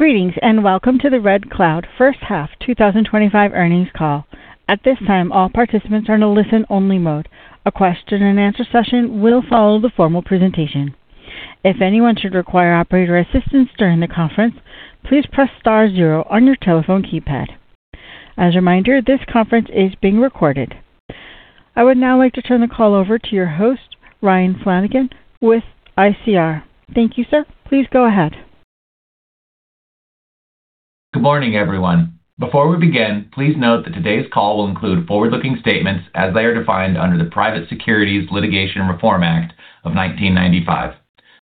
Greetings and welcome to the RedCloud First Half 2025 Earnings Call. At this time, all participants are in a listen-only mode. A question-and-answer session will follow the formal presentation. If anyone should require operator assistance during the conference, please press * zero on your telephone keypad. As a reminder, this conference is being recorded. I would now like to turn the call over to your host, Ryan Flanagan, with ICR. Thank you, sir. Please go ahead. Good morning, everyone. Before we begin, please note that today's call will include forward-looking statements as they are defined under the Private Securities Litigation Reform Act of 1995.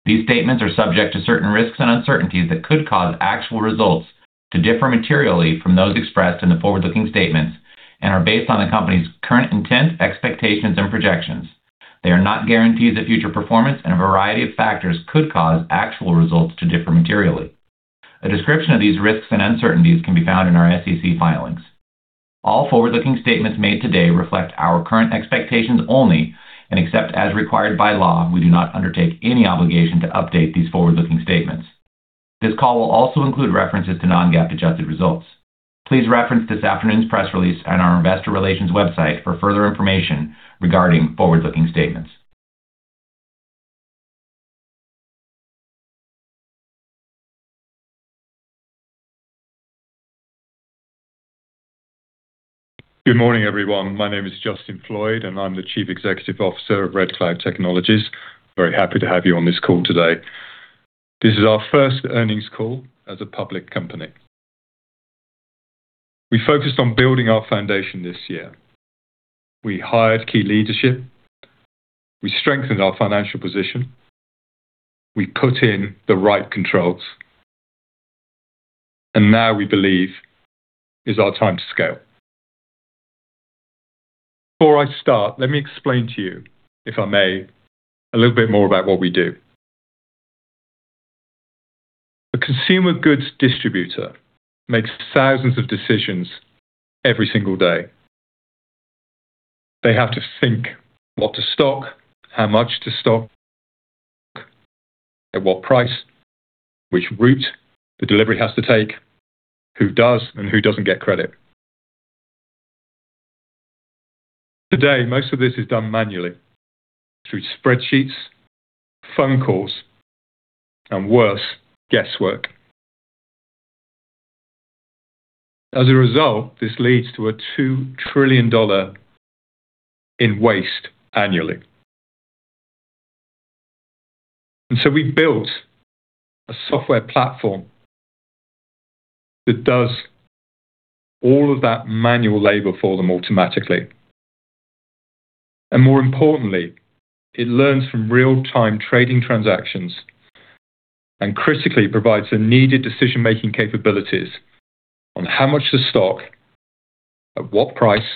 These statements are subject to certain risks and uncertainties that could cause actual results to differ materially from those expressed in the forward-looking statements and are based on the company's current intent, expectations, and projections. They are not guarantees of future performance, and a variety of factors could cause actual results to differ materially. A description of these risks and uncertainties can be found in our SEC filings. All forward-looking statements made today reflect our current expectations only and, except as required by law, we do not undertake any obligation to update these forward-looking statements. This call will also include references to non-GAAP-adjusted results. Please reference this afternoon's press release and our investor relations website for further information regarding forward-looking statements. Good morning, everyone. My name is Justin Floyd, and I'm the Chief Executive Officer of RedCloud Technologies. Very happy to have you on this call today. This is our first earnings call as a public company. We focused on building our foundation this year. We hired key leadership. We strengthened our financial position. We put in the right controls, and now we believe it's our time to scale. Before I start, let me explain to you, if I may, a little bit more about what we do. A consumer goods distributor makes thousands of decisions every single day. They have to think what to stock, how much to stock, at what price, which route the delivery has to take, who does and who doesn't get credit. Today, most of this is done manually through spreadsheets, phone calls, and worse, guesswork. As a result, this leads to a $2 trillion in waste annually. And so we built a software platform that does all of that manual labor for them automatically. And more importantly, it learns from real-time trading transactions and, critically, provides the needed decision-making capabilities on how much to stock, at what price,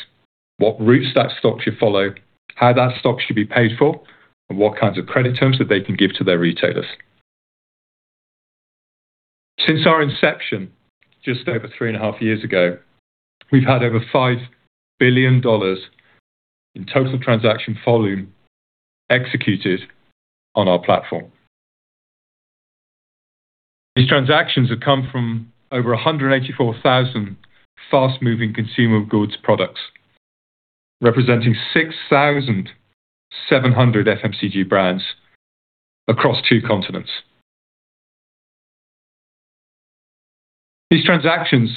what routes that stock should follow, how that stock should be paid for, and what kinds of credit terms that they can give to their retailers. Since our inception, just over three and a half years ago, we've had over $5 billion in total transaction volume executed on our platform. These transactions have come from over 184,000 fast-moving consumer goods products, representing 6,700 FMCG brands across two continents. These transactions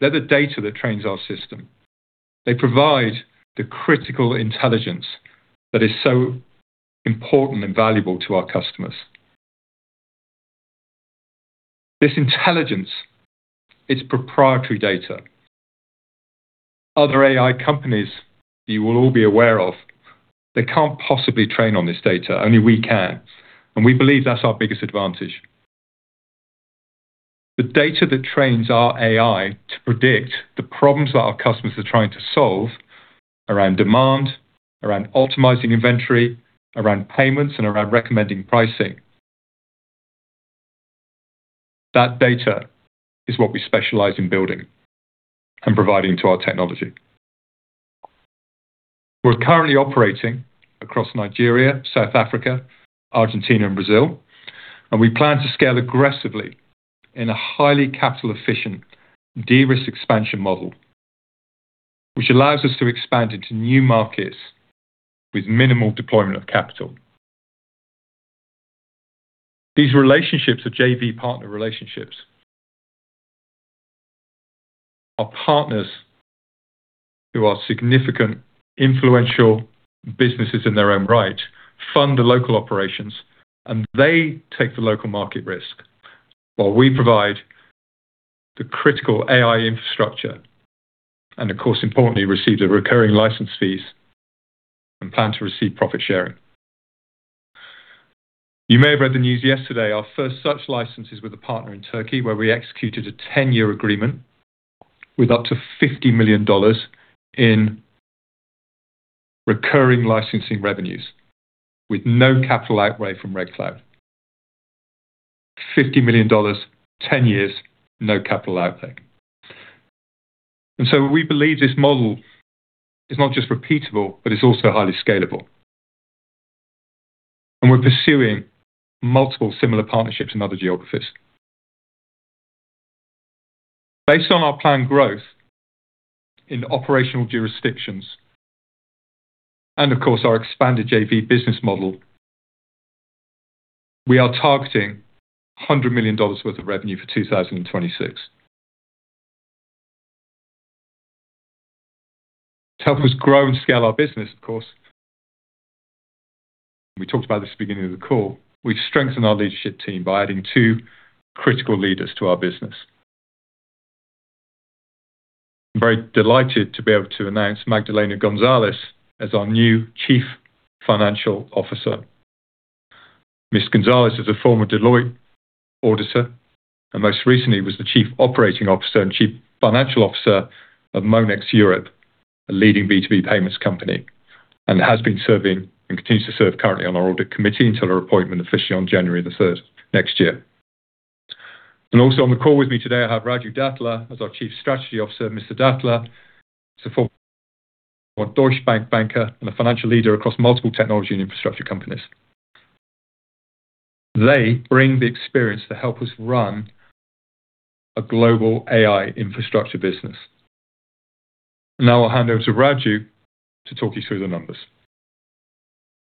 are the data that trains our system. They provide the critical intelligence that is so important and valuable to our customers. This intelligence is proprietary data. Other AI companies you will all be aware of, they can't possibly train on this data. Only we can. And we believe that's our biggest advantage. The data that trains our AI to predict the problems that our customers are trying to solve around demand, around optimizing inventory, around payments, and around recommending pricing, that data is what we specialize in building and providing to our technology. We're currently operating across Nigeria, South Africa, Argentina, and Brazil, and we plan to scale aggressively in a highly capital-efficient de-risk expansion model, which allows us to expand into new markets with minimal deployment of capital. These relationships are JV partner relationships. Our partners, who are significant, influential businesses in their own right, fund the local operations, and they take the local market risk while we provide the critical AI infrastructure and, of course, importantly, receive the recurring license fees and plan to receive profit sharing. You may have read the news yesterday. Our first such license is with a partner in Turkey, where we executed a 10-year agreement with up to $50 million in recurring licensing revenues, with no capital outlay from RedCloud. $50 million, 10 years, no capital outlay. And so we believe this model is not just repeatable, but it's also highly scalable. And we're pursuing multiple similar partnerships in other geographies. Based on our planned growth in operational jurisdictions and, of course, our expanded JV business model, we are targeting $100 million worth of revenue for 2026. To help us grow and scale our business, of course, we talked about this at the beginning of the call, we've strengthened our leadership team by adding two critical leaders to our business. I'm very delighted to be able to announce Magdalena Gonzalez as our new Chief Financial Officer. Ms. Gonzalez is a former Deloitte auditor and, most recently, was the Chief Operating Officer and Chief Financial Officer of Monex Europe, a leading B2B payments company, and has been serving and continues to serve currently on our audit committee until her appointment officially on January the 3rd next year. And also on the call with me today, I have Raju Datla as our Chief Strategy Officer. Mr. Datla is a former Deutsche Bank banker and a financial leader across multiple technology and infrastructure companies. They bring the experience to help us run a global AI infrastructure business. Now I'll hand over to Raju to talk you through the numbers.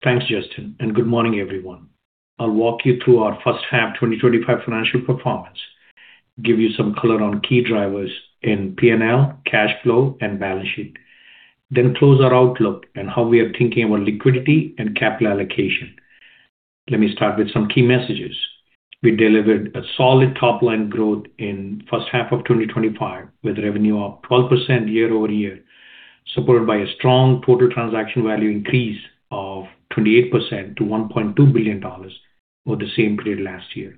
Thanks, Justin. And good morning, everyone. I'll walk you through our first half 2025 financial performance, give you some color on key drivers in P&L, cash flow, and balance sheet, then close our outlook and how we are thinking about liquidity and capital allocation. Let me start with some key messages. We delivered a solid top-line growth in the first half of 2025 with revenue year-over-year, supported by a strong total transaction value increase of 28% to $1.2 billion over the same period last year.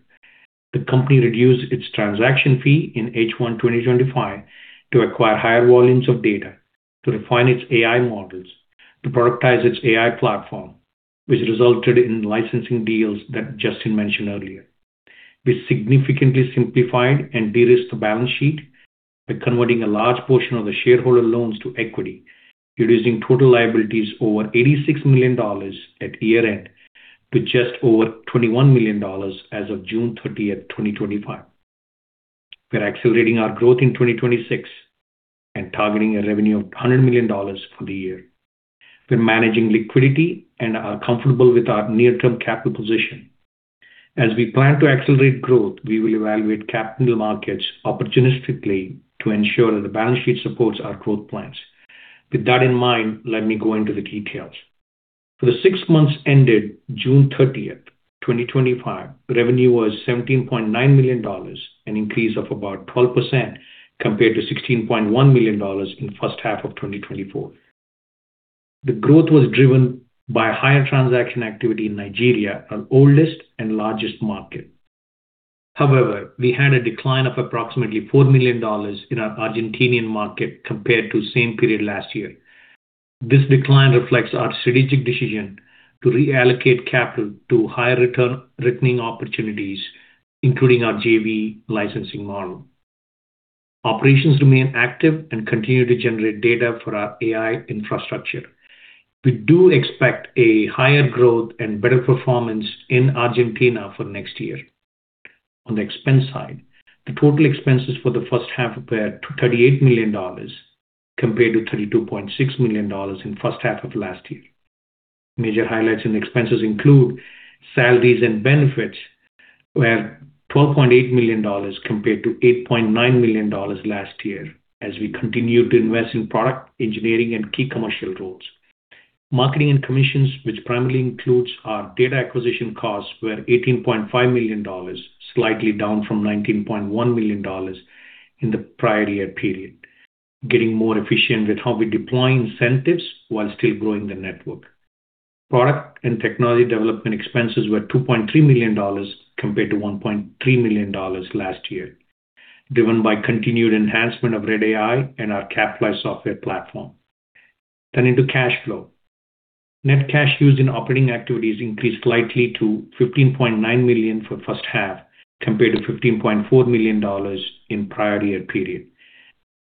The company reduced its transaction fee in H1 2025 to acquire higher volumes of data, to refine its AI models, to productize its AI platform, which resulted in licensing deals that Justin mentioned earlier. We significantly simplified and de-risked the balance sheet by converting a large portion of the shareholder loans to equity, reducing total liabilities over $86 million at year-end to just over $21 million as June 30th, 2025. We're accelerating our growth in 2026 and targeting a revenue of $100 million for the year. We're managing liquidity and are comfortable with our near-term capital position. As we plan to accelerate growth, we will evaluate capital markets opportunistically to ensure that the balance sheet supports our growth plans. With that in mind, let me go into the details. For the six months June 30th, 2025, revenue was $17.9 million, an increase of about 12% compared to $16.1 million in the first half of 2024. The growth was driven by higher transaction activity in Nigeria, our oldest and largest market. However, we had a decline of approximately $4 million in our Argentinian market compared to the same period last year. This decline reflects our strategic decision to reallocate capital to higher-return-generating opportunities, including our JV licensing model. Operations remain active and continue to generate data for our AI infrastructure. We do expect a higher growth and better performance in Argentina for next year. On the expense side, the total expenses for the first half were $38 million compared to $32.6 million in the first half of last year. Major highlights in the expenses include salaries and benefits, where $12.8 million compared to $8.9 million last year, as we continue to invest in product engineering and key commercial roles. Marketing and commissions, which primarily include our data acquisition costs, were $18.5 million, slightly down from $19.1 million in the prior year period, getting more efficient with how we deploy incentives while still growing the network. Product and technology development expenses were $2.3 million compared to $1.3 million last year, driven by continued enhancement of RedAI and our CapFly software platform. Turning to cash flow, net cash used in operating activities increased slightly to $15.9 million for the first half compared to $15.4 million in the prior year period.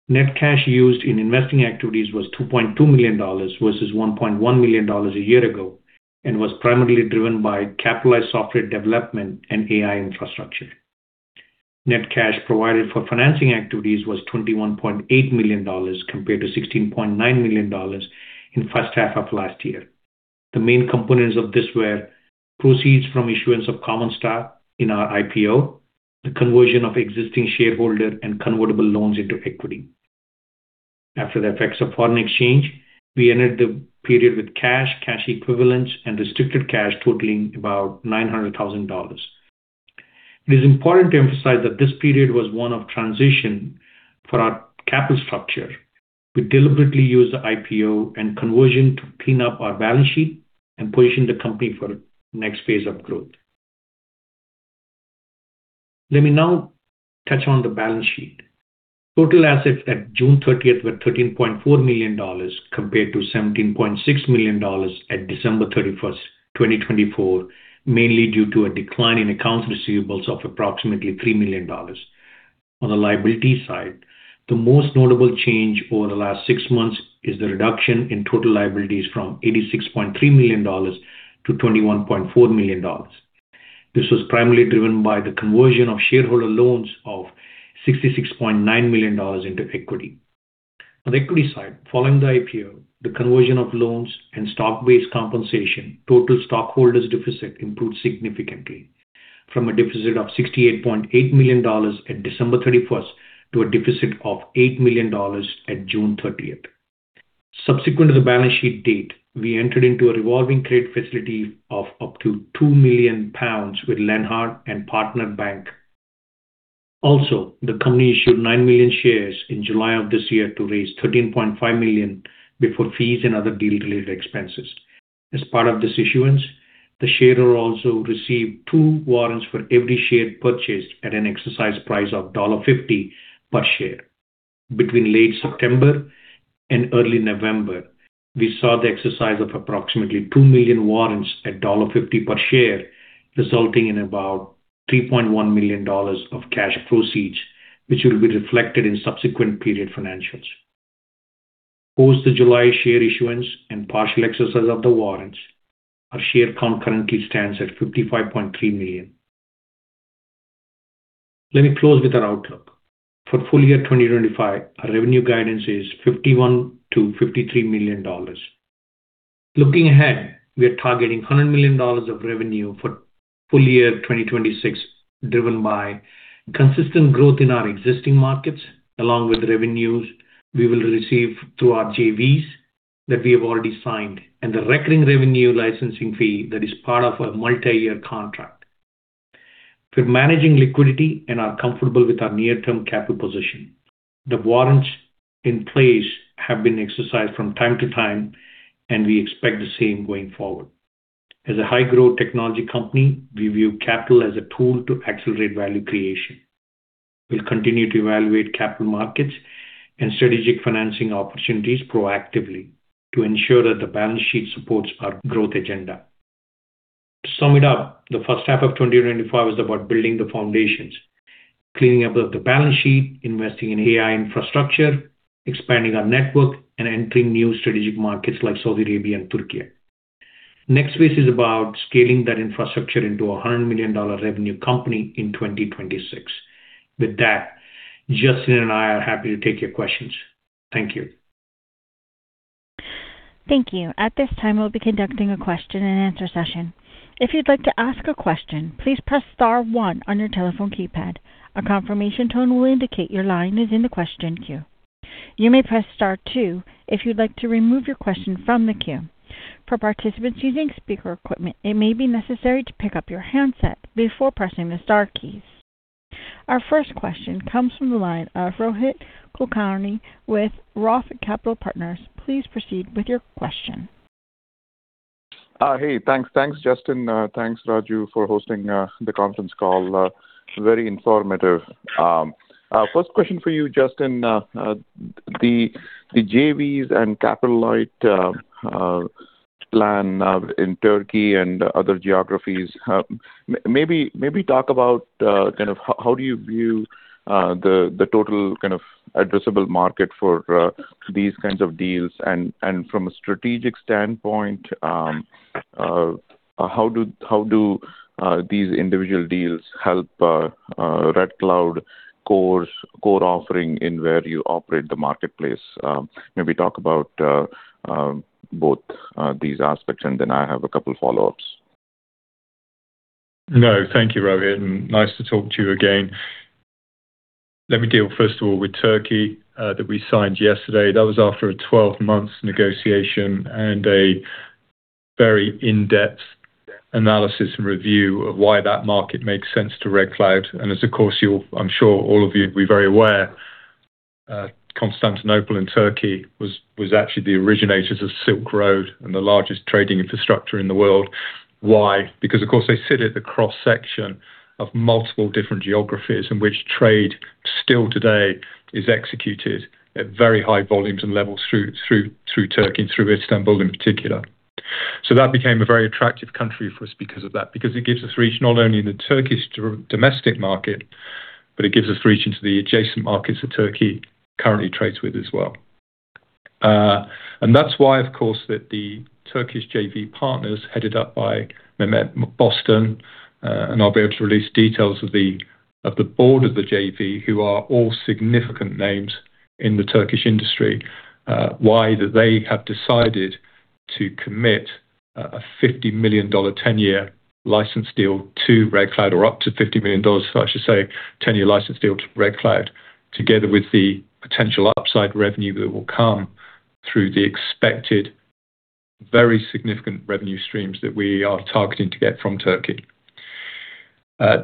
Net cash used in investing activities was $2.2 million versus $1.1 million a year ago and was primarily driven by CapFly software development and AI infrastructure. Net cash provided for financing activities was $21.8 million compared to $16.9 million in the first half of last year. The main components of this were proceeds from issuance of Common Stock in our IPO, the conversion of existing shareholder, and convertible loans into equity. After the effects of foreign exchange, we ended the period with cash, cash equivalents, and restricted cash totaling about $900,000. It is important to emphasize that this period was one of transition for our capital structure. We deliberately used the IPO and conversion to clean up our balance sheet and position the company for the next phase of growth. Let me now touch on the balance sheet. Total assets June 30th were $13.4 million compared to $17.6 million at December 31st, 2024, mainly due to a decline in accounts receivables of approximately $3 million. On the liability side, the most notable change over the last six months is the reduction in total liabilities from $86.3 million to $21.4 million. This was primarily driven by the conversion of shareholder loans of $66.9 million into equity. On the equity side, following the IPO, the conversion of loans and stock-based compensation, total stockholders' deficit improved significantly from a deficit of $68.8 million at December 31st to a deficit of $8 million June 30th. Subsequent to the balance sheet date, we entered into a revolving trade facility of up to 2 million pounds with Lienhardt & Partner Privatbank AG. Also, the company issued nine million shares in July of this year to raise $13.5 million before fees and other deal-related expenses. As part of this issuance, the shareholders also received two warrants for every share purchased at an exercise price of $1.50 per share. Between late September and early November, we saw the exercise of approximately two million warrants at $1.50 per share, resulting in about $3.1 million of cash proceeds, which will be reflected in subsequent period financials. Post the July share issuance and partial exercise of the warrants, our share count currently stands at 55.3 million. Let me close with our outlook. For full year 2025, our revenue guidance is $51-$53 million. Looking ahead, we are targeting $100 million of revenue for full year 2026, driven by consistent growth in our existing markets, along with revenues we will receive through our JVs that we have already signed and the recurring revenue licensing fee that is part of a multi-year contract. We're managing liquidity and are comfortable with our near-term capital position. The warrants in place have been exercised from time to time, and we expect the same going forward. As a high-growth technology company, we view capital as a tool to accelerate value creation. We'll continue to evaluate capital markets and strategic financing opportunities proactively to ensure that the balance sheet supports our growth agenda. To sum it up, the first half of 2025 is about building the foundations, cleaning up the balance sheet, investing in AI infrastructure, expanding our network, and entering new strategic markets like Saudi Arabia and Türkiye. Next phase is about scaling that infrastructure into a $100 million revenue company in 2026. With that, Justin and I are happy to take your questions. Thank you. Thank you. At this time, we'll be conducting a question-and-answer session. If you'd like to ask a question, please press * 1 on your telephone keypad. A confirmation tone will indicate your line is in the question queue. You may press * 2 if you'd like to remove your question from the queue. For participants using speaker equipment, it may be necessary to pick up your handset before pressing the * keys. Our first question comes from the line of Rohit Kulkarni with ROTH Capital Partners. Please proceed with your question. Hey, thanks, Justin. Thanks, Raju, for hosting the conference call. Very informative. First question for you, Justin. The JVs and capital-light plan in Turkey and other geographies, maybe talk about kind of how do you view the total kind of addressable market for these kinds of deals? And from a strategic standpoint, how do these individual deals help RedCloud core offering in where you operate the marketplace? Maybe talk about both these aspects, and then I have a couple of follow-ups. No, thank you, Rohit. Nice to talk to you again. Let me deal, first of all, with Turkey that we signed yesterday. That was after a 12-month negotiation and a very in-depth analysis and review of why that market makes sense to RedCloud. And as, of course, I'm sure all of you will be very aware, Constantinople and Turkey was actually the originators of Silk Road and the largest trading infrastructure in the world. Why? Because, of course, they sit at the cross-section of multiple different geographies in which trade still today is executed at very high volumes and levels through Turkey and through Istanbul in particular. So that became a very attractive country for us because of that, because it gives us reach not only in the Turkish domestic market, but it gives us reach into the adjacent markets that Turkey currently trades with as well. And that's why, of course, that the Turkish JV partners headed up by Mehmet Bostan, and I'll be able to release details of the board of the JV, who are all significant names in the Turkish industry, why they have decided to commit a $50 million 10-year license deal to RedCloud, or up to $50 million, I should say, 10-year license deal to RedCloud, together with the potential upside revenue that will come through the expected very significant revenue streams that we are targeting to get from Turkey.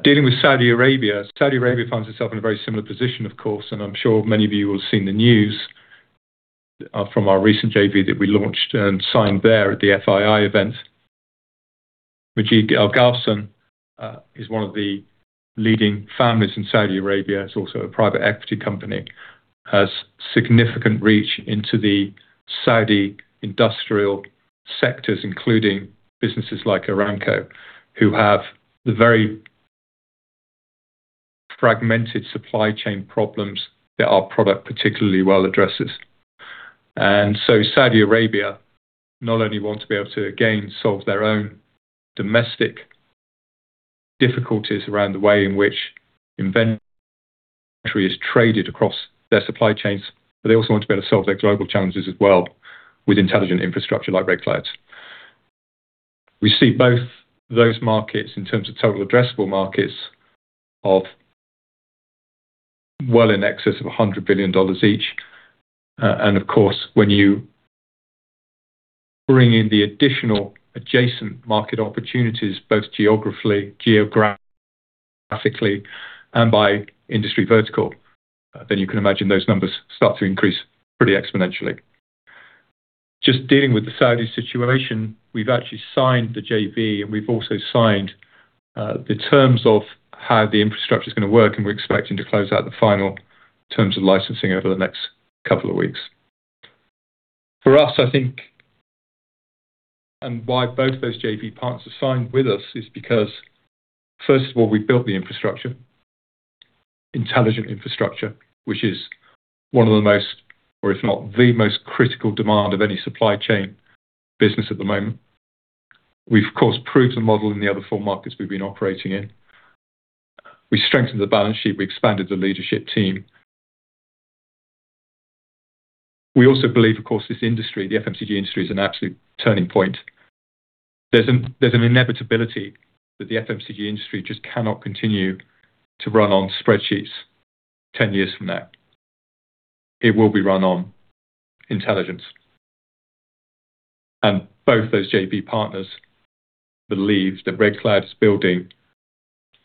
Dealing with Saudi Arabia, Saudi Arabia finds itself in a very similar position, of course, and I'm sure many of you will have seen the news from our recent JV that we launched and signed there at the FII event. Majid Alghaslan is one of the leading families in Saudi Arabia. It's also a private equity company. It has significant reach into the Saudi industrial sectors, including businesses like Aramco, who have the very fragmented supply chain problems that our product particularly well addresses. And so Saudi Arabia not only wants to be able to again solve their own domestic difficulties around the way in which inventory is traded across their supply chains, but they also want to be able to solve their global challenges as well with intelligent infrastructure like RedCloud. We see both those markets in terms of total addressable markets of well in excess of $100 billion each. And of course, when you bring in the additional adjacent market opportunities, both geographically and by industry vertical, then you can imagine those numbers start to increase pretty exponentially. Just dealing with the Saudi situation, we've actually signed the JV, and we've also signed the terms of how the infrastructure is going to work, and we're expecting to close out the final terms of licensing over the next couple of weeks. For us, I think, and why both of those JV partners have signed with us is because, first of all, we built the infrastructure, intelligent infrastructure, which is one of the most, or if not the most, critical demand of any supply chain business at the moment. We've, of course, proved the model in the other four markets we've been operating in. We strengthened the balance sheet. We expanded the leadership team. We also believe, of course, this industry, the FMCG industry, is an absolute turning point. There's an inevitability that the FMCG industry just cannot continue to run on spreadsheets 10 years from now. It will be run on intelligence, and both those JV partners believe that RedCloud is building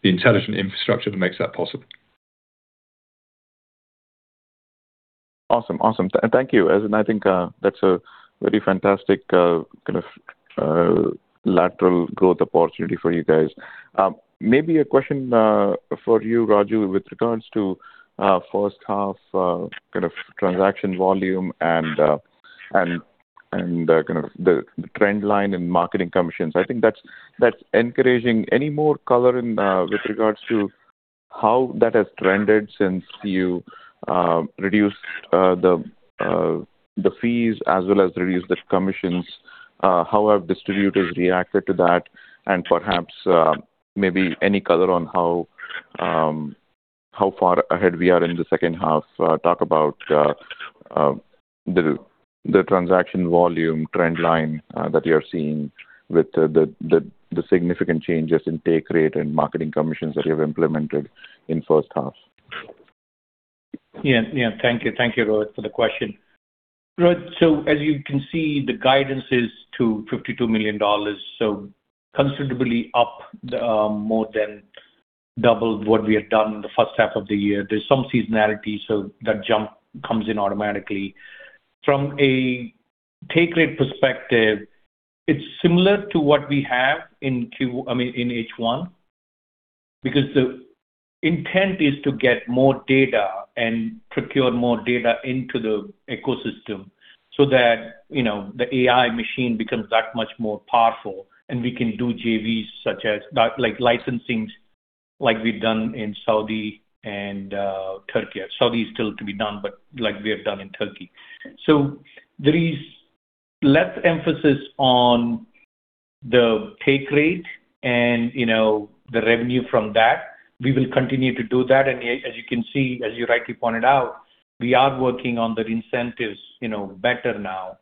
the intelligent infrastructure that makes that possible. Awesome, awesome. Thank you, and I think that's a very fantastic kind of lateral growth opportunity for you guys. Maybe a question for you, Raju, with regards to first-half kind of transaction volume and kind of the trend line and marketing commissions. I think that's encouraging. Any more color with regards to how that has trended since you reduced the fees as well as reduced the commissions. How have distributors reacted to that? And perhaps maybe any color on how far ahead we are in the second half? Talk about the transaction volume trend line that you're seeing with the significant changes in take rate and marketing commissions that you've implemented in first half. Yeah, thank you, Rohit, for the question. Rohit, so as you can see, the guidance is to $52 million, so considerably up, more than double what we had done in the first half of the year. There's some seasonality, so that jump comes in automatically. From a take rate perspective, it's similar to what we have in H1 because the intent is to get more data and procure more data into the ecosystem so that the AI machine becomes that much more powerful and we can do JVs such as licensing like we've done in Saudi and Turkey. Saudi is still to be done, but like we have done in Turkey. So there is less emphasis on the take rate and the revenue from that. We will continue to do that. And as you can see, as you rightly pointed out, we are working on the incentives better now.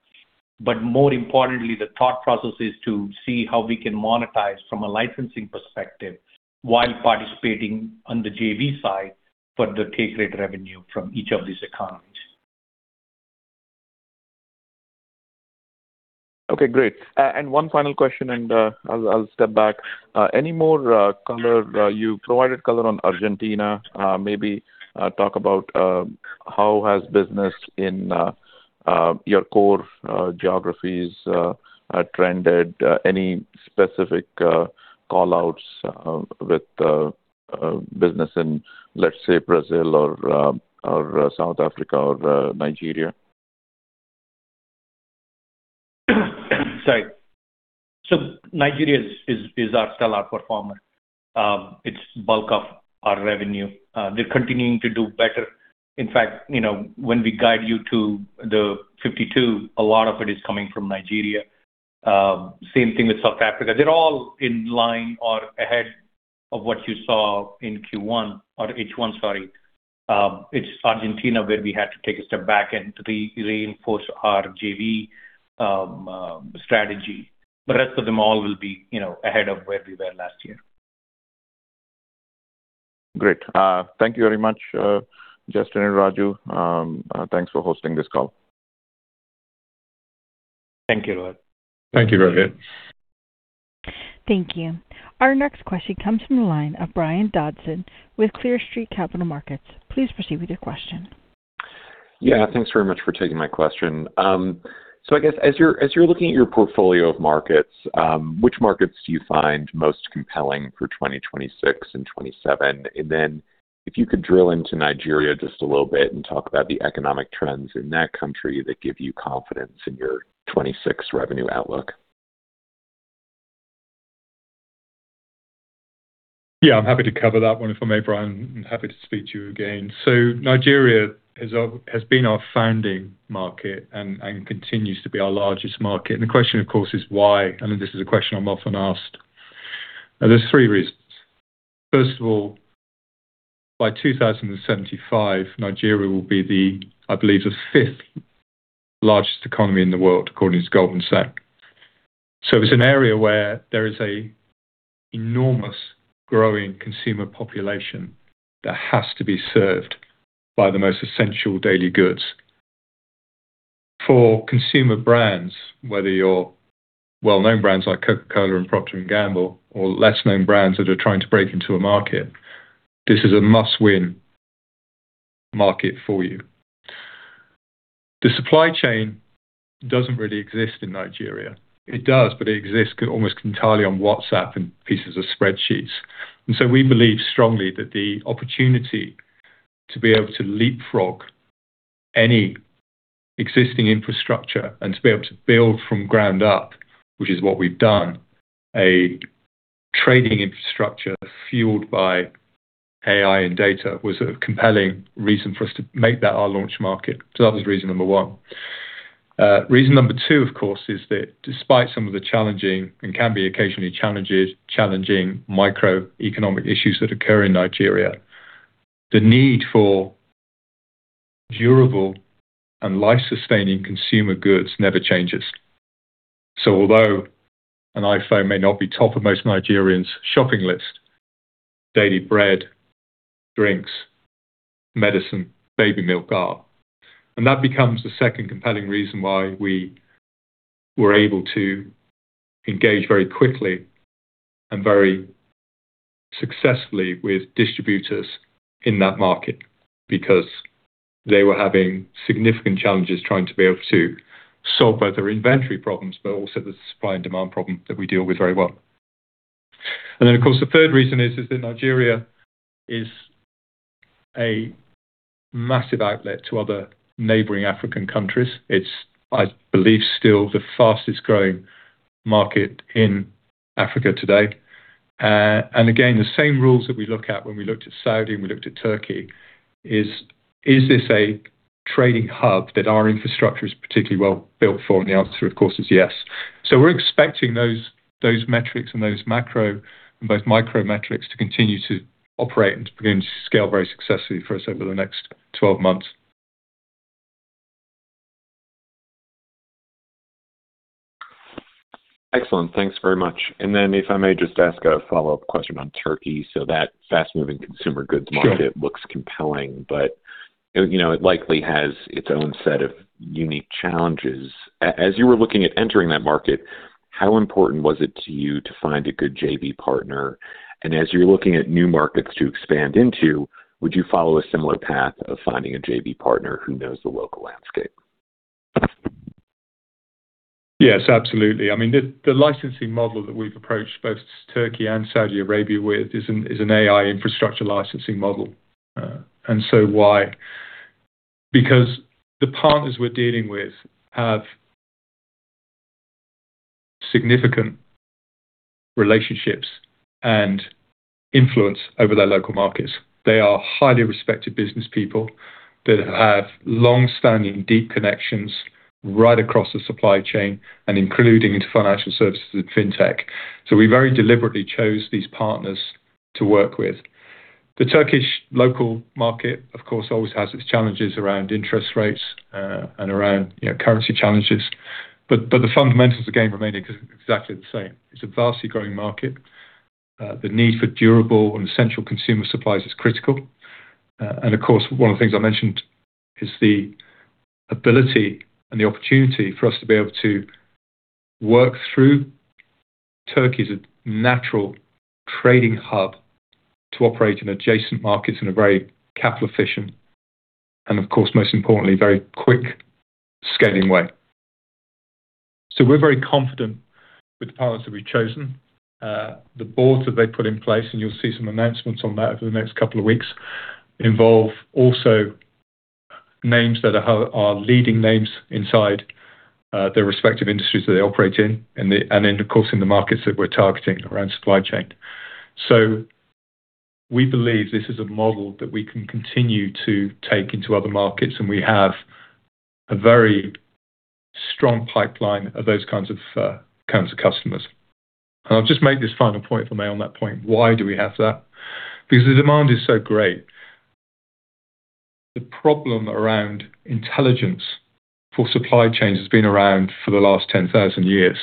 But more importantly, the thought process is to see how we can monetize from a licensing perspective while participating on the JV side for the take rate revenue from each of these economies. Okay, great. And one final question, and I'll step back. Any more color? You provided color on Argentina. Maybe talk about how has business in your core geographies trended? Any specific callouts with business in, let's say, Brazil or South Africa or Nigeria? Sorry. So Nigeria is still our performer. It's bulk of our revenue. They're continuing to do better. In fact, when we guide you to the 52, a lot of it is coming from Nigeria. Same thing with South Africa. They're all in line or ahead of what you saw in Q1 or H1, sorry. It's Argentina where we had to take a step back and reinforce our JV strategy. The rest of them all will be ahead of where we were last year. Great. Thank you very much, Justin and Raju. Thanks for hosting this call. Thank you, Rohit. Thank you, Rohit. Thank you. Our next question comes from the line of Brian Dobson with Clear Street. Please proceed with your question. Yeah, thanks very much for taking my question. So I guess as you're looking at your portfolio of markets, which markets do you find most compelling for 2026 and 2027? And then if you could drill into Nigeria just a little bit and talk about the economic trends in that country that give you confidence in your 2026 revenue outlook. Yeah, I'm happy to cover that one if I may, Brian. I'm happy to speak to you again. So Nigeria has been our founding market and continues to be our largest market. And the question, of course, is why? I mean, this is a question I'm often asked. There's three reasons. First of all, by 2075, Nigeria will be the, I believe, the fifth largest economy in the world according to Goldman Sachs. So it's an area where there is an enormous growing consumer population that has to be served by the most essential daily goods. For consumer brands, whether you're well-known brands like Coca-Cola and Procter & Gamble or less-known brands that are trying to break into a market, this is a must-win market for you. The supply chain doesn't really exist in Nigeria. It does, but it exists almost entirely on WhatsApp and pieces of spreadsheets. And so we believe strongly that the opportunity to be able to leapfrog any existing infrastructure and to be able to build from ground up, which is what we've done, a trading infrastructure fueled by AI and data was a compelling reason for us to make that our launch market. So that was reason number one. Reason number two, of course, is that despite some of the challenging and can be occasionally challenging microeconomic issues that occur in Nigeria, the need for durable and life-sustaining consumer goods never changes. So although an iPhone may not be top of most Nigerians' shopping list, daily bread, drinks, medicine, baby milk are. That becomes the second compelling reason why we were able to engage very quickly and very successfully with distributors in that market because they were having significant challenges trying to be able to solve both their inventory problems, but also the supply and demand problem that we deal with very well. And then, of course, the third reason is that Nigeria is a massive outlet to other neighboring African countries. It's, I believe, still the fastest-growing market in Africa today. And again, the same rules that we look at when we looked at Saudi and we looked at Turkey is this a trading hub that our infrastructure is particularly well built for? And the answer, of course, is yes. So we're expecting those metrics and those macro and both micro metrics to continue to operate and to begin to scale very successfully for us over the next 12 months. Excellent. Thanks very much, and then if I may just ask a follow-up question on Turkey, so that fast-moving consumer goods market looks compelling, but it likely has its own set of unique challenges. As you were looking at entering that market, how important was it to you to find a good JV partner? and as you're looking at new markets to expand into, would you follow a similar path of finding a JV partner who knows the local landscape? Yes, absolutely. I mean, the licensing model that we've approached both Turkey and Saudi Arabia with is an AI infrastructure licensing model. And so why? Because the partners we're dealing with have significant relationships and influence over their local markets. They are highly respected business people that have long-standing deep connections right across the supply chain and including into financial services and fintech. So we very deliberately chose these partners to work with. The Turkish local market, of course, always has its challenges around interest rates and around currency challenges. But the fundamentals, again, remain exactly the same. It's a vastly growing market. The need for durable and essential consumer supplies is critical. And of course, one of the things I mentioned is the ability and the opportunity for us to be able to work through Turkey's natural trading hub to operate in adjacent markets in a very capital-efficient and, of course, most importantly, very quick scaling way. So we're very confident with the partners that we've chosen. The boards that they've put in place, and you'll see some announcements on that over the next couple of weeks, involve also names that are leading names inside their respective industries that they operate in and then, of course, in the markets that we're targeting around supply chain. So we believe this is a model that we can continue to take into other markets, and we have a very strong pipeline of those kinds of customers. And I'll just make this final point if I may on that point. Why do we have that? Because the demand is so great. The problem around intelligence for supply chains has been around for the last 10,000 years,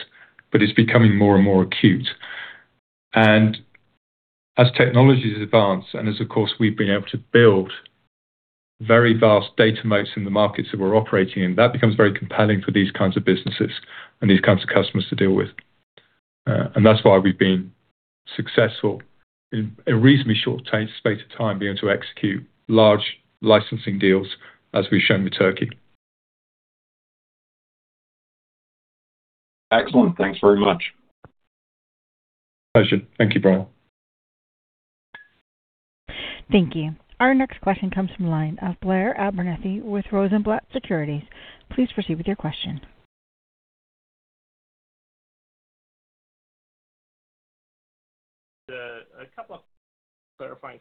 but it's becoming more and more acute, and as technologies advance and as, of course, we've been able to build very vast data moats in the markets that we're operating in, that becomes very compelling for these kinds of businesses and these kinds of customers to deal with, and that's why we've been successful in a reasonably short space of time being able to execute large licensing deals as we've shown with Turkey. Excellent. Thanks very much. Pleasure. Thank you, Brian. Thank you. Our next question comes from line of Blair Abernethy with Rosenblatt Securities. Please proceed with your question. A couple of clarifying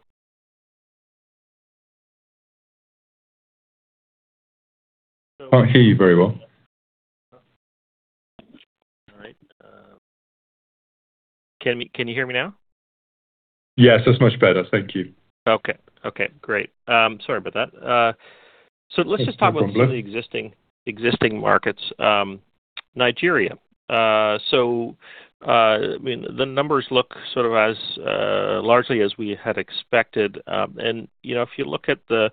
questions. I can't hear you very well. All right. Can you hear me now? Yes, that's much better. Thank you. Okay. Great. Sorry about that. So let's just talk about some of the existing markets. Nigeria. So I mean, the numbers look sort of as largely as we had expected. And if you look at the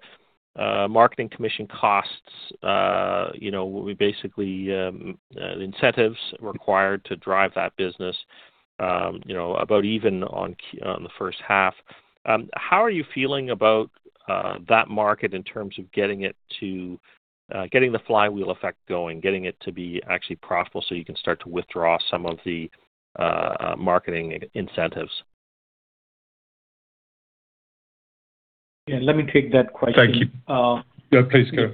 marketing commission costs, we basically the incentives required to drive that business about even on the first half. How are you feeling about that market in terms of getting it to the flywheel effect going, getting it to be actually profitable so you can start to withdraw some of the marketing incentives? Yeah. Let me take that question. Thank you. Yeah, please go.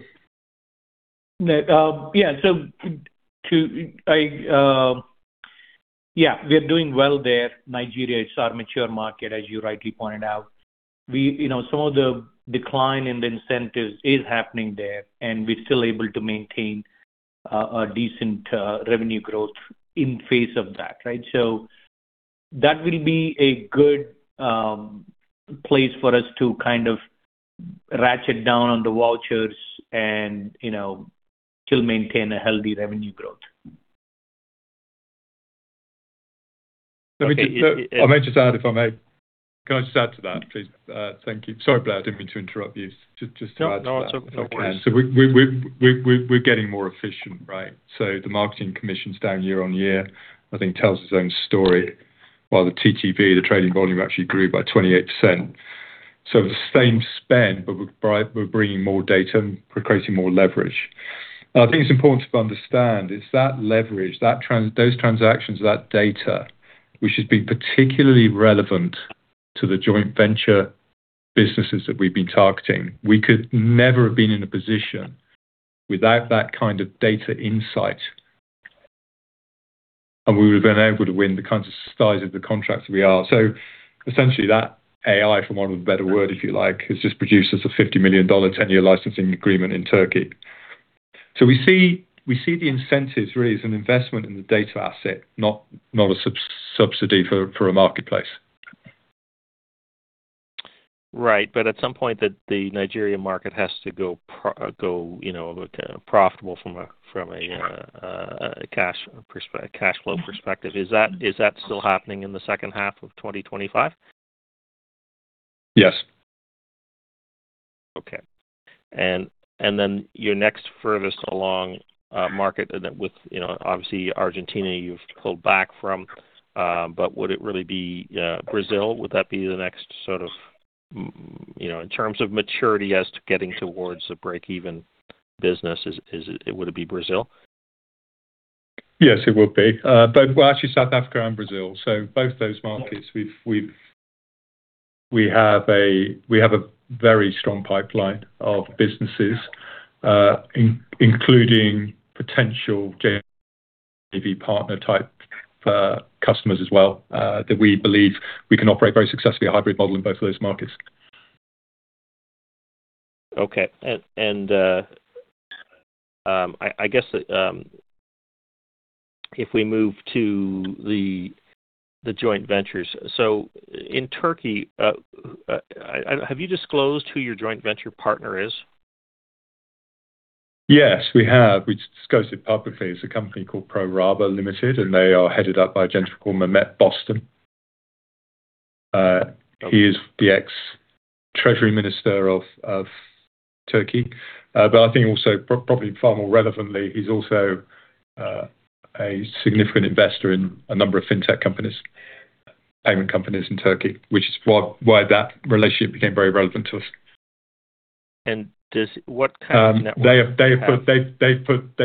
Yeah. So yeah, we are doing well there. Nigeria is our mature market, as you rightly pointed out. Some of the decline in the incentives is happening there, and we're still able to maintain a decent revenue growth in the face of that, right? So that will be a good place for us to kind of ratchet down on the vouchers and still maintain a healthy revenue growth. Let me just add, if I may. Can I just add to that, please? Thank you. Sorry, Blair, I didn't mean to interrupt you. Just to add to that. No, no, it's okay. So we're getting more efficient, right? So the marketing commission's down year on year, I think, tells its own story, while the TTV, the trading volume, actually grew by 28%. So the same spend, but we're bringing more data and creating more leverage. I think it's important to understand is that leverage, those transactions, that data, which has been particularly relevant to the joint venture businesses that we've been targeting, we could never have been in a position without that kind of data insight. And we would have been able to win the kinds of size of the contracts that we are. So essentially, that AI, for want of a better word, if you like, has just produced us a $50 million 10-year licensing agreement in Turkey. So we see the incentives really as an investment in the data asset, not a subsidy for a marketplace. Right. But at some point, the Nigeria market has to go profitable from a cash flow perspective. Is that still happening in the second half of 2025? Yes. Okay. And then your next furthest along market, obviously, Argentina, you've pulled back from. But would it really be Brazil? Would that be the next sort of in terms of maturity as to getting towards a break-even business, would it be Brazil? Yes, it would be. But we're actually South Africa and Brazil. So both those markets, we have a very strong pipeline of businesses, including potential JV partner-type customers as well, that we believe we can operate very successfully a hybrid model in both of those markets. Okay, and I guess if we move to the joint ventures, so in Turkey, have you disclosed who your joint venture partner is? Yes, we have. We've disclosed it publicly. It's a company called Pro Raba Limited, and they are headed up by a gentleman called Mehmet Bostan. He is the ex-Treasury Minister of Turkey. But I think also, probably far more relevantly, he's also a significant investor in a number of fintech companies, payment companies in Turkey, which is why that relationship became very relevant to us. And what kind of network? They've put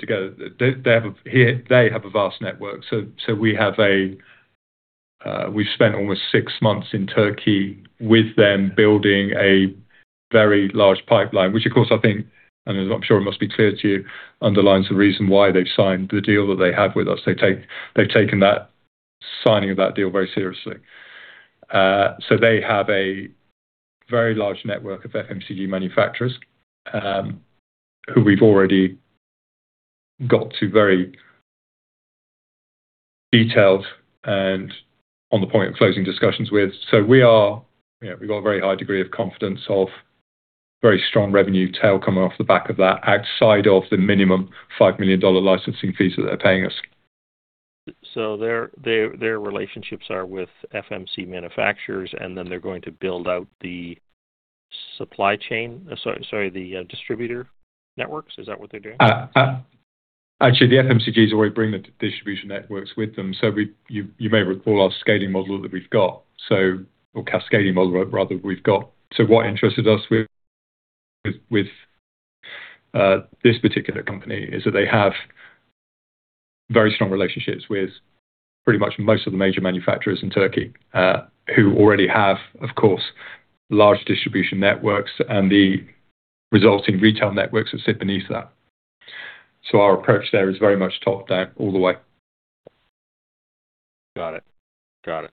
together. They have a vast network. So we've spent almost six months in Turkey with them building a very large pipeline, which, of course, I think, and I'm sure it must be clear to you, underlines the reason why they've signed the deal that they have with us. They've taken that signing of that deal very seriously. So they have a very large network of FMCG manufacturers who we've already got to very detailed and on the point of closing discussions with. So we've got a very high degree of confidence of very strong revenue tail coming off the back of that, outside of the minimum $5 million licensing fees that they're paying us. So their relationships are with FMCG manufacturers, and then they're going to build out the supply chain sorry, the distributor networks. Is that what they're doing? Actually, the FMCGs already bring the distribution networks with them. You may recall our scaling model that we've got. Our cascading model, rather, we've got. What interested us with this particular company is that they have very strong relationships with pretty much most of the major manufacturers in Turkey who already have, of course, large distribution networks and the resulting retail networks that sit beneath that. Our approach there is very much top-down all the way. Got it. Got it.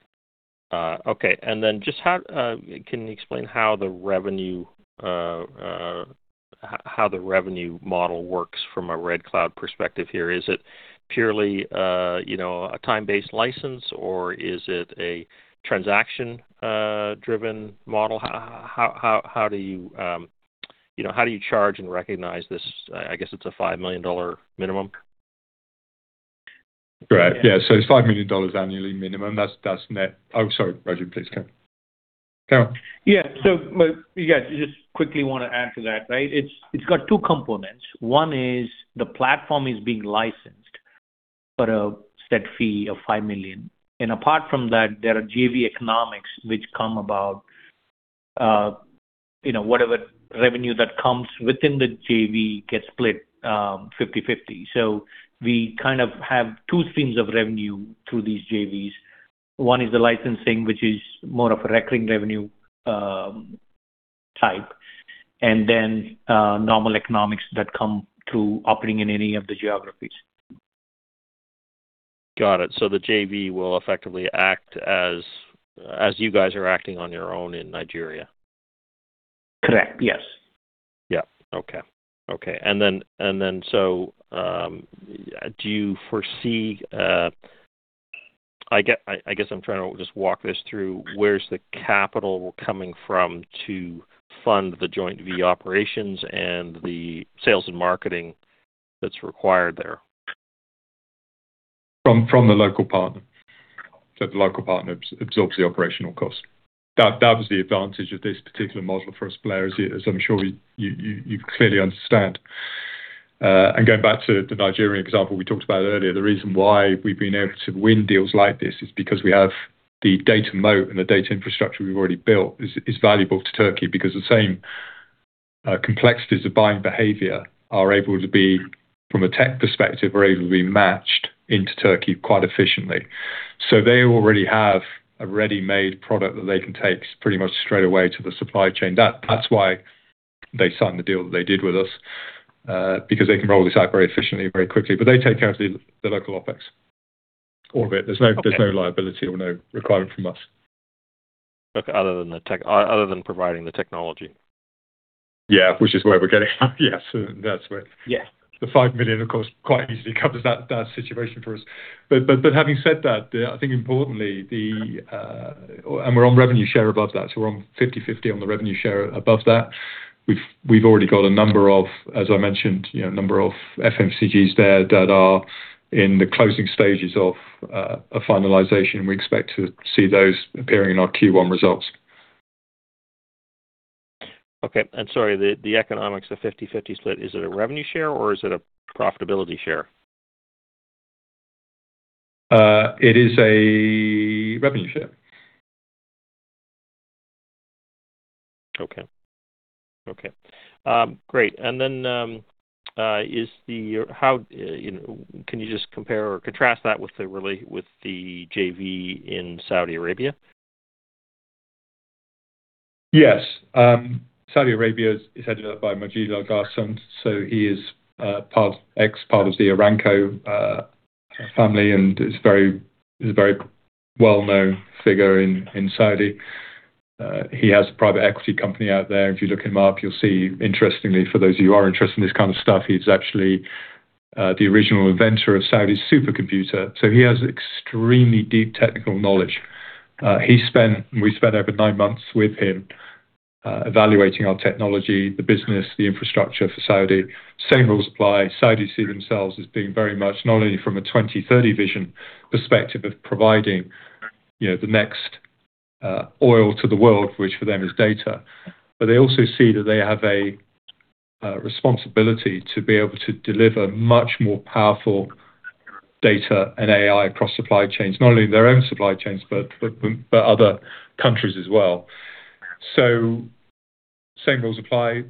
Okay. And then just can you explain how the revenue model works from a RedCloud perspective here? Is it purely a time-based license, or is it a transaction-driven model? How do you charge and recognize this? I guess it's a $5 million minimum. Right. Yeah. So it's $5 million annually minimum. That's net. Oh, sorry, Roger, please go. Yeah. So yeah, just quickly want to add to that, right? It's got two components. One is the platform is being licensed for a set fee of $5 million. And apart from that, there are JV economics which come about whatever revenue that comes within the JV gets split 50/50. So we kind of have two streams of revenue through these JVs. One is the licensing, which is more of a recurring revenue type, and then normal economics that come through operating in any of the geographies. Got it. So the JV will effectively act as you guys are acting on your own in Nigeria? Correct. Yes. Do you foresee I guess I'm trying to just walk this through? Where's the capital coming from to fund the JV operations and the sales and marketing that's required there? From the local partner. So the local partner absorbs the operational cost. That was the advantage of this particular model for us, Blair, as I'm sure you clearly understand. And going back to the Nigerian example we talked about earlier, the reason why we've been able to win deals like this is because we have the data moat and the data infrastructure we've already built is valuable to Turkey because the same complexities of buying behavior are able to be, from a tech perspective, matched into Turkey quite efficiently. So they already have a ready-made product that they can take pretty much straight away to the supply chain. That's why they signed the deal that they did with us, because they can roll this out very efficiently, very quickly. But they take care of the local OpEx, all of it. There's no liability or no requirement from us. Okay. Other than providing the technology? Yeah, which is where we're getting. Yes. That's where the $5 million, of course, quite easily covers that situation for us. But having said that, I think, importantly, and we're on revenue share above that. So we're on 50/50 on the revenue share above that. We've already got a number of, as I mentioned, a number of FMCGs there that are in the closing stages of a finalization. We expect to see those appearing in our Q1 results. Okay, and sorry, the economics are 50/50 split. Is it a revenue share, or is it a profitability share? It is a revenue share. Okay. Okay. Great. And then can you just compare or contrast that with the JV in Saudi Arabia? Yes. Saudi Arabia is headed up by Majid Alghaslan. So he is ex-part of the Aramco family and is a very well-known figure in Saudi. He has a private equity company out there. If you look him up, you'll see, interestingly, for those of you who are interested in this kind of stuff, he's actually the original inventor of Saudi's supercomputer. So he has extremely deep technical knowledge. We spent over nine months with him evaluating our technology, the business, the infrastructure for Saudi. Same rules apply. Saudis see themselves as being very much, not only from a 2030 vision perspective of providing the next oil to the world, which for them is data, but they also see that they have a responsibility to be able to deliver much more powerful data and AI across supply chains, not only in their own supply chains but other countries as well. Same rules apply.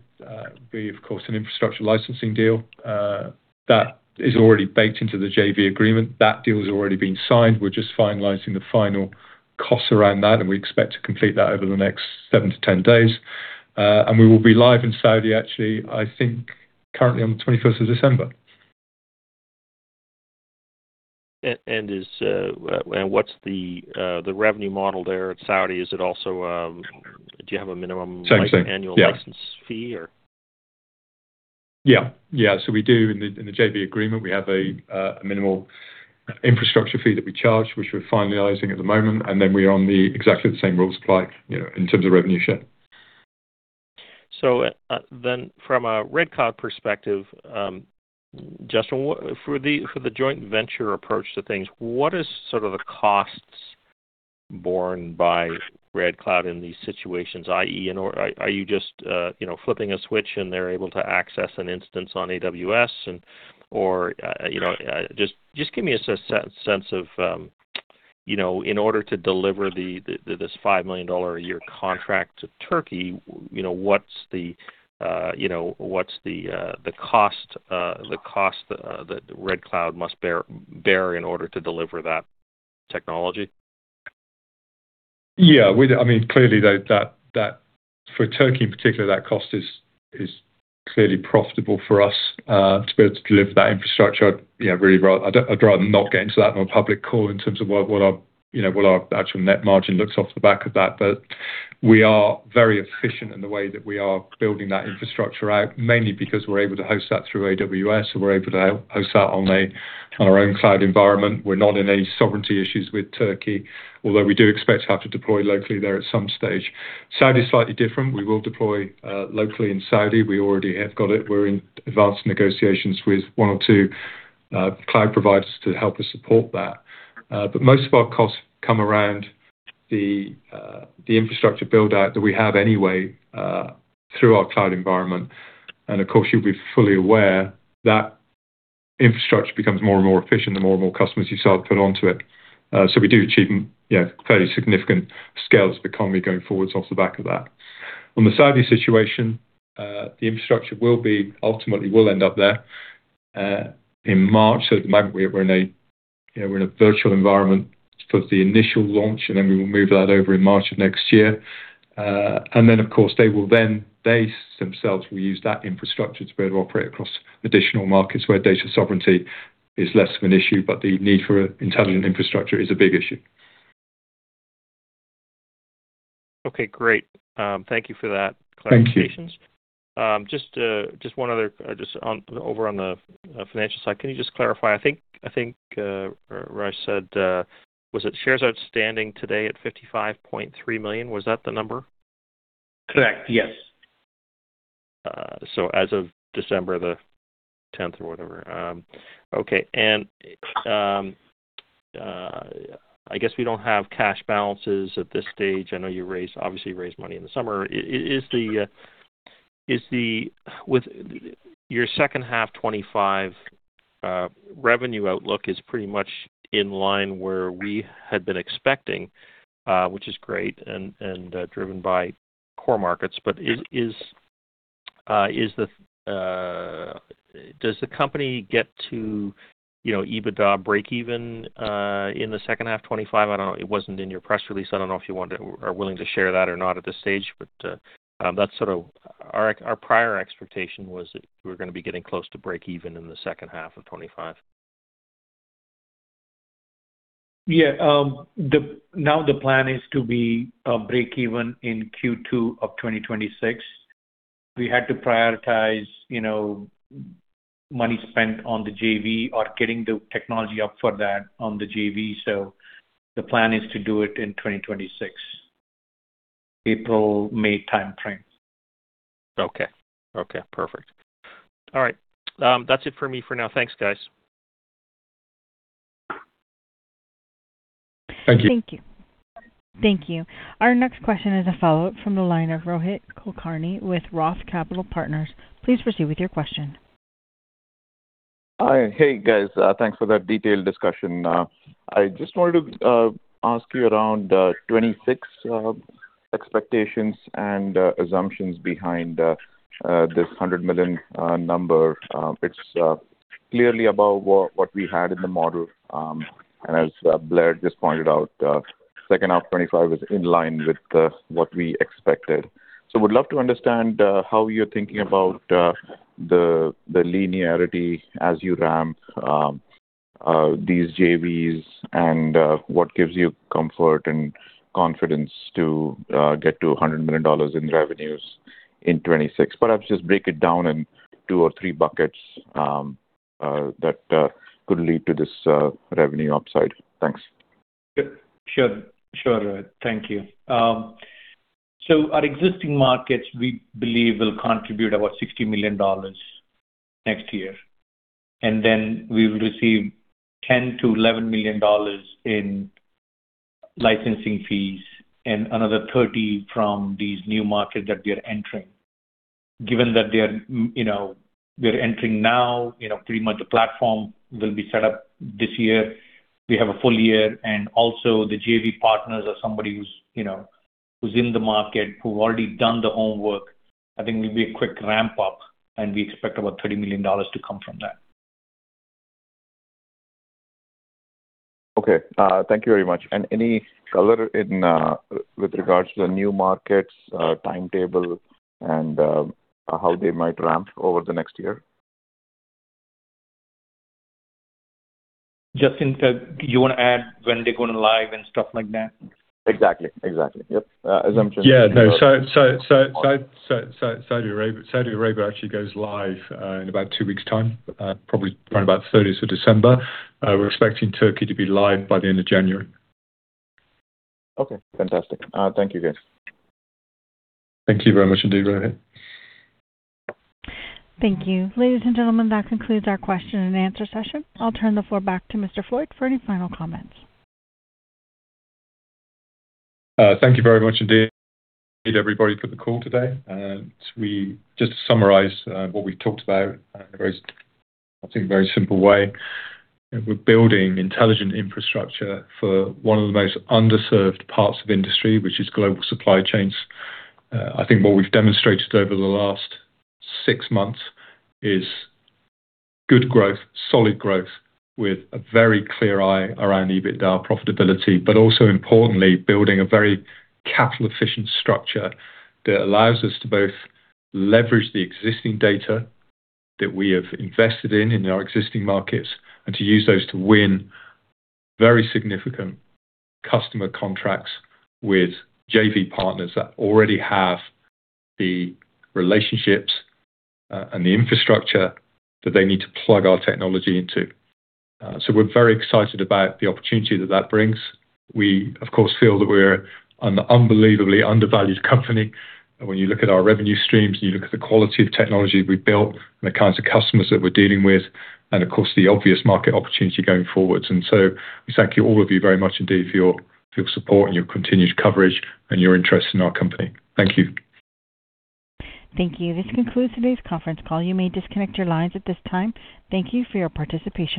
We, of course, an infrastructure licensing deal that is already baked into the JV agreement. That deal has already been signed. We're just finalizing the final costs around that, and we expect to complete that over the next seven to 10 days. We will be live in Saudi, actually, I think, currently on the 21st of December. What's the revenue model there at Saudi? Is it also, do you have a minimum annual license fee, or? So we do, in the JV agreement, we have a minimal infrastructure fee that we charge, which we're finalizing at the moment. And then exactly the same rules apply in terms of revenue share. So then from a RedCloud perspective, Justin, for the joint venture approach to things, what is sort of the costs borne by RedCloud in these situations? i.e., are you just flipping a switch and they're able to access an instance on AWS? Or just give me a sense of, in order to deliver this $5 million a year contract to Turkey, what's the cost that RedCloud must bear in order to deliver that technology? Yeah. I mean, clearly, for Turkey in particular, that cost is clearly profitable for us to be able to deliver that infrastructure. I'd rather not get into that on a public call in terms of what our actual net margin looks off the back of that. But we are very efficient in the way that we are building that infrastructure out, mainly because we're able to host that through AWS. So we're able to host that on our own cloud environment. We're not in any sovereignty issues with Turkey, although we do expect to have to deploy locally there at some stage. Saudi is slightly different. We will deploy locally in Saudi. We already have got it. We're in advanced negotiations with one or two cloud providers to help us support that. But most of our costs come around the infrastructure buildout that we have anyway through our cloud environment. Of course, you'll be fully aware that infrastructure becomes more and more efficient the more and more customers you start to put onto it. So we do achieve fairly significant scale of the economy going forwards off the back of that. On the Saudi situation, the infrastructure will ultimately end up there in March. So at the moment, we're in a virtual environment for the initial launch, and then we will move that over in March of next year. And then, of course, they themselves will use that infrastructure to be able to operate across additional markets where data sovereignty is less of an issue, but the need for intelligent infrastructure is a big issue. Okay. Great. Thank you for that clarification. Thank you. Just one other, just over on the financial side, can you just clarify? I think Raju said, was it shares outstanding today at 55.3 million? Was that the number? Correct. Yes. So as of December the 10th or whatever. Okay. And I guess we don't have cash balances at this stage. I know you obviously raised money in the summer. Is the with your second half 2025 revenue outlook is pretty much in line where we had been expecting, which is great and driven by core markets. But does the company get to EBITDA break-even in the second half 2025? I don't know. It wasn't in your press release. I don't know if you are willing to share that or not at this stage. But that's sort of our prior expectation was that we were going to be getting close to break-even in the second half of 2025. Yeah. Now the plan is to be break-even in Q2 of 2026. We had to prioritize money spent on the JV or getting the technology up for that on the JV. So the plan is to do it in 2026, April, May timeframe. Okay. Okay. Perfect. All right. That's it for me for now. Thanks, guys. Thank you. Thank you. Thank you. Our next question is a follow-up from the line of Rohit Kulkarni with Roth Capital Partners. Please proceed with your question. Hi, hey, guys. Thanks for that detailed discussion. I just wanted to ask you about 2026 expectations and assumptions behind this 100 million number. It's clearly above what we had in the model. As Blair just pointed out, second half 2025 was in line with what we expected. So we'd love to understand how you're thinking about the linearity as you ramp these JVs and what gives you comfort and confidence to get to $100 million in revenues in 2026. Perhaps just break it down in two or three buckets that could lead to this revenue upside. Thanks. Yeah. Sure. Sure. Thank you. Our existing markets, we believe, will contribute about $60 million next year. Then we will receive $10-$11 million in licensing fees and another $30 million from these new markets that we are entering. Given that we're entering now, pretty much the platform will be set up this year. We have a full year. Also, the JV partners are somebody who's in the market who've already done the homework. I think we'll be a quick ramp-up, and we expect about $30 million to come from that. Okay. Thank you very much. And any color with regards to the new markets, timetable, and how they might ramp over the next year? Justin, you want to add when they're going live and stuff like that? Exactly. Exactly. Yep. Assumptions. Yeah. No. So Saudi Arabia actually goes live in about two weeks' time, probably around about 30th of December. We're expecting Turkey to be live by the end of January. Okay. Fantastic. Thank you, guys. Thank you very much indeed, Rohit. Thank you. Ladies and gentlemen, that concludes our question and answer session. I'll turn the floor back to Mr. Floyd for any final comments. Thank you very much indeed, everybody, for the call today. And just to summarize what we've talked about in a very, I think, very simple way, we're building intelligent infrastructure for one of the most underserved parts of industry, which is global supply chains. I think what we've demonstrated over the last six months is good growth, solid growth, with a very clear eye around EBITDA profitability, but also, importantly, building a very capital-efficient structure that allows us to both leverage the existing data that we have invested in our existing markets and to use those to win very significant customer contracts with JV partners that already have the relationships and the infrastructure that they need to plug our technology into. So we're very excited about the opportunity that that brings. We, of course, feel that we're an unbelievably undervalued company when you look at our revenue streams, and you look at the quality of technology we've built and the kinds of customers that we're dealing with, and, of course, the obvious market opportunity going forwards. And so we thank you all of you very much indeed for your support and your continued coverage and your interest in our company. Thank you. Thank you. This concludes today's conference call. You may disconnect your lines at this time. Thank you for your participation.